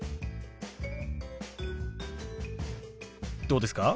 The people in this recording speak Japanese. どうですか？